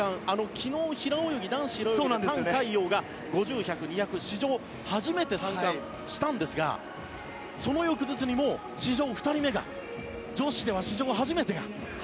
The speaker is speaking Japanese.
昨日、男子平泳ぎタン・カイヨウが５０、１００、２００史上初めて３冠したんですがその翌日にもう史上２人目が女子では史上初めてが。